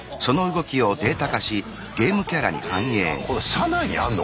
社内にあんの？